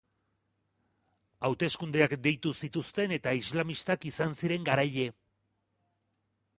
Hauteskundeak deitu zituzten, eta islamistak izan ziren garaile.